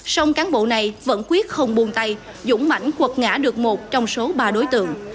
song cán bộ này vẫn quyết không buồn tay dũng mạnh cuột ngã được một trong số ba đối tượng